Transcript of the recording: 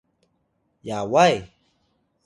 Takun: Yaway